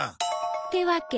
ってわけ。